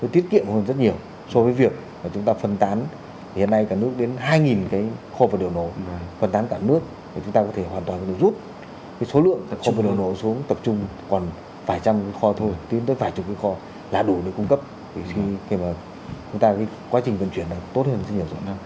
tiết kiệm hơn rất nhiều so với việc chúng ta phân tán hiện nay cả nước đến hai cái kho vật điều nổ phân tán cả nước để chúng ta có thể hoàn toàn rút số lượng kho vật điều nổ xuống tập trung còn vài trăm kho thôi tính tới vài chục cái kho là đủ để cung cấp để chúng ta có quá trình tuần chuyển tốt hơn rất nhiều rồi